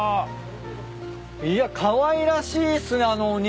いやかわいらしいっすねあの鬼。